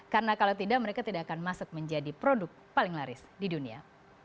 karena kalau tidak mereka tidak akan masuk menjadi produk paling laris di dunia